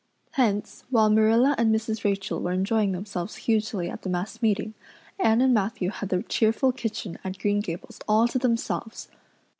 Hence, while Marilla and Mrs. Rachel were enjoying themselves hugely at the mass meeting, Anne and Matthew had the cheerful kitchen at Green Gables all to themselves.